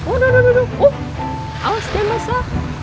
udah udah udah awas deh mas ya